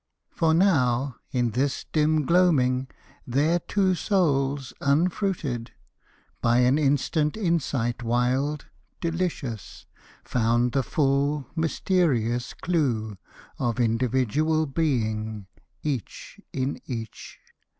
For now in this dim gloaming their two souls Unfruited, by an instant insight wild, Delicious, found the full, mysterious clew Of individual being, each in each.